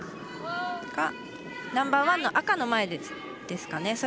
ナンバーワンの赤の前ですかね。